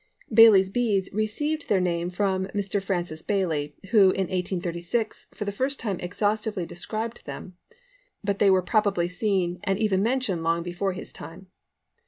] "Baily's Beads" received their name from Mr. Francis Baily, who, in 1836, for the first time exhaustively described them; but they were probably seen and even mentioned long before his time.